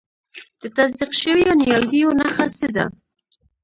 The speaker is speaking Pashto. د تصدیق شویو نیالګیو نښه څه ده؟